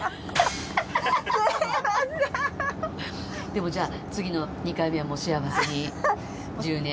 でもじゃあ次の２回目はもう幸せに１０年。